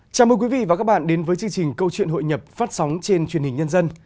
chào mừng quý vị và các bạn đến với chương trình câu chuyện hội nhập phát sóng trên truyền hình nhân dân